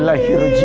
inilah ilahi rujie